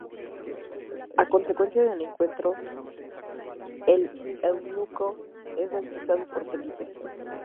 A consecuencia del encuentro, el eunuco es bautizado por Felipe.